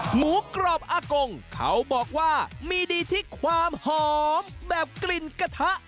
หมูกรอบอากงเขาบอกว่ามีดีที่ความหอมแบบกลิ่นกระทะ